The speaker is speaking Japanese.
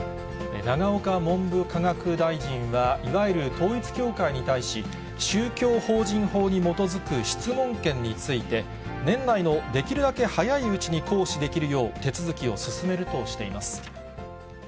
永岡文部科学大臣はいわゆる統一教会に対し、宗教法人法に基づく質問権について、年内のできるだけ早いうちに行使できるよう、手続きを進めるとしています。